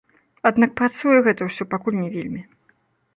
Аднак працуе гэта ўсё пакуль не вельмі.